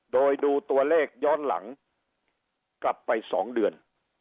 โดยดูตัวเลขย้อนหลังกลับไป๒เดือน